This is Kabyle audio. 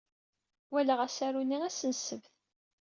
Walaɣ asaru-nni ass n ssebt.